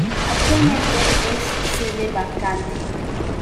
Actualmente es sede vacante.